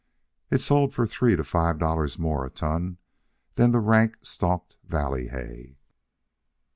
It sold for three to five dollars more a ton than the rank stalked valley hay.